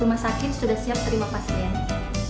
rumah sakit sudah siap sering mempastian